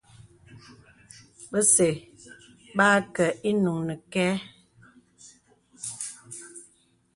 Bə̀zə̄ bə ákə̀ ìnuŋ nəkɛ.